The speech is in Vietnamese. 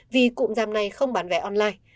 vì cụm giảp này không bán vé online